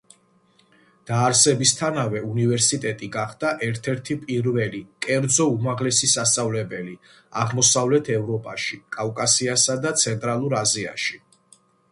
დაარსებისთანავე უნივერსიტეტი გახდა ერთ-ერთი პირველი კერძო უმაღლესი სასწავლებელი აღმოსავლეთ ევროპაში, კავკასიასა და ცენტრალურ აზიაში.